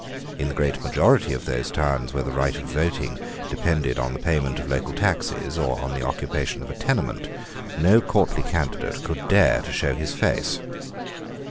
In the great majority of those towns where the right of voting depended on the payment of local taxes, or on the occupation of a tenement, no courtly candidate could dare to show his face.